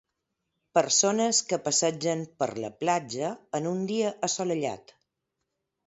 Persones que passegen per la platja en un dia assolellat